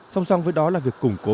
xong xong với đó là việc củng cố